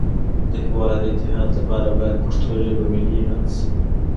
د هیواد د اتحاد لپاره باید پښتو ژبه ملی اعلان شی